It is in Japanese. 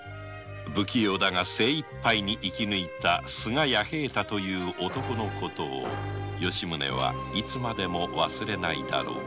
不器用だが精一杯に生きぬいた須賀弥平太という男のことを吉宗はいつまでも忘れないだろう